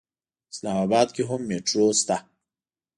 اسلام اباد کې هم مېټرو شته.